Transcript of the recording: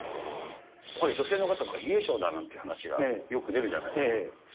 これ、女性の方とかは冷え性だなんていう話がよく出るじゃないですか。